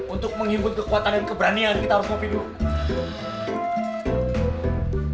untuk menghibur kekuatan dan keberanian kita harus minum